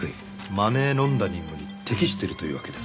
マネーロンダリングに適しているというわけですね。